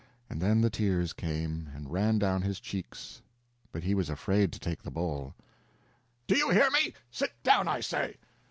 and then the tears came, and ran down his cheeks, but he was afraid to take the bowl. "Do you hear me? Sit down, I say!"